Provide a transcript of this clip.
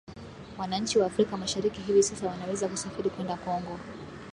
Wananchi wa Afrika Mashariki hivi sasa wanaweza kusafiri kwenda Kongo